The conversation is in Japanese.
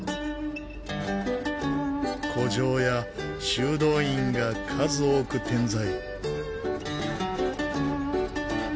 古城や修道院が数多く点在。